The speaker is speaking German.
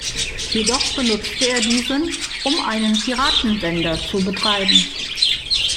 Jedoch benutzt er diesen, um einen Piratensender zu betreiben.